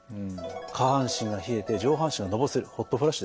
下半身が冷えて上半身がのぼせるホットフラッシュですよね。